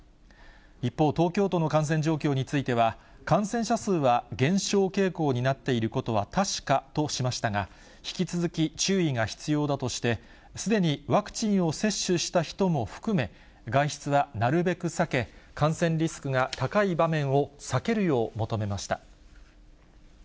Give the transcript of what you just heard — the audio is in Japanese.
一方、東京都の感染状況については、感染者数は減少傾向になっていることは確かとしましたが、引き続き、注意が必要だとして、すでにワクチンを接種した人も含め、外出はなるべく避け、感染リスクが高い場面を避けるよう求めました。